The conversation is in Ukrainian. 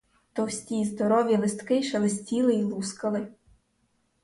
Товсті здорові листки шелестіли й лускали.